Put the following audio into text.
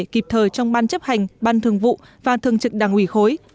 kịp thời trong ban chấp hành ban thường vụ và thường trực đảng ủy khối